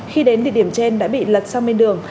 khi đến địa điểm trên đã bị lật sang bên đường